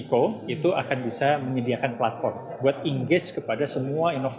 dalam enam bulan ini harapan kami indico itu akan bisa menyediakan platform buat engage kepada semua industri digital indonesia